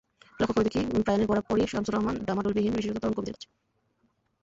লক্ষ করে দেখি, প্রয়াণের পরপরই শামসুর রাহমান ডামাডোলবিহীন, বিশেষত তরুণ কবিদের কাছে।